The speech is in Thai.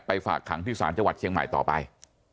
ฝากขังที่ศาลจังหวัดเชียงใหม่ต่อไป